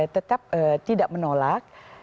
tetap tidak menolak